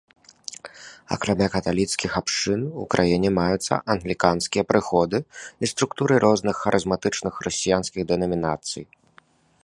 Акрамя каталіцкіх абшчын у краіне маюцца англіканскія прыходы і структуры розных харызматычных хрысціянскіх дэнамінацый.